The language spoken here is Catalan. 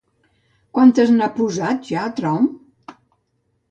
Quantes n'ha posat ja Trump?